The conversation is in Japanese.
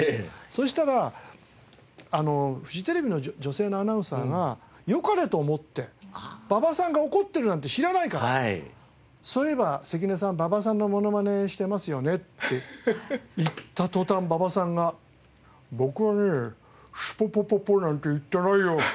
そしたらフジテレビの女性のアナウンサーがよかれと思って馬場さんが怒ってるなんて知らないからそういえば関根さん馬場さんのモノマネしてますよねって言った途端馬場さんが僕はねえハハハハハ！